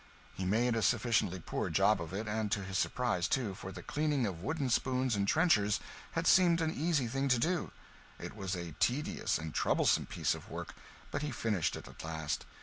He made a sufficiently poor job of it; and to his surprise too, for the cleaning of wooden spoons and trenchers had seemed an easy thing to do. It was a tedious and troublesome piece of work, but he finished it at last.